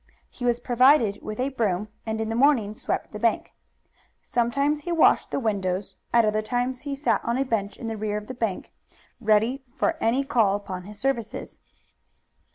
He was provided with a broom, and in the morning swept the bank. Sometimes he washed the windows; at other times he sat on a bench in the rear of the bank, ready for any call upon his services.